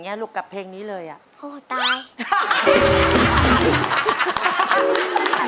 อย่าได้ค้าแค่ลบขึ้นสะปัด